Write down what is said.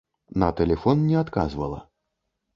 На тэлефон не адказвала.